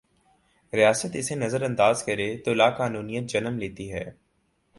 ریاست اسے نظر انداز کرے تولاقانونیت جنم لیتی ہے۔